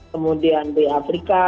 kemudian di afrika